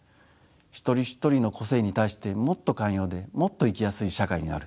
一人一人の個性に対してもっと寛容でもっと生きやすい社会になる。